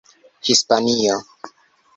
Hispanio